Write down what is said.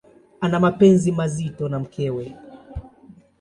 Ana mapenzi mazito na mkewe.